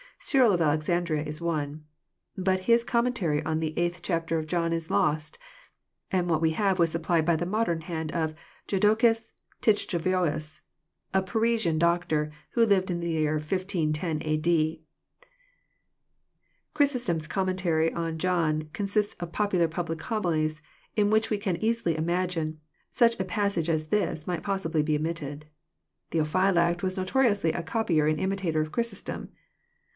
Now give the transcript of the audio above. Cyril of Alexandria is one. But his com mentary on the eight chapter of John is lost, and what we have was supplied by the modern hand of Jodocus ClichtovoBUs, a Parisian doctor, who lived in the year 1510 a. d. (See Dap.n's Eccles. Ilist. )— Chrysostom's commentary on John consists of popular public homilies, in which we can easily imagine such a passage as this might possibly be omitted. — Theophylact was notoriously a copyer and imitator of Chrysostom.